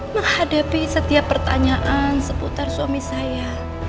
menghadapi setiap pertanyaan seputar suami saya